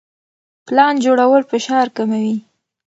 پلان جوړول فشار کموي.